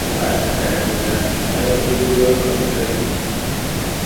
আমার বিশ্বাস, আমি আসিয়াছি জানিয়া স্বামীজি খুশি হইলেন।